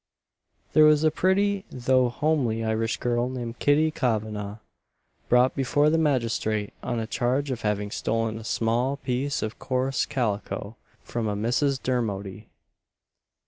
There was a pretty, though homely Irish girl, named Kitty Kavanagh, brought before the magistrate on a charge of having stolen a small piece of coarse calico from a Mrs. Dermody.